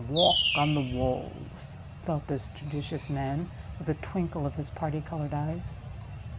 "The Walk on the Walls," thought this judicious man, with a twinkle of his party colored eyes.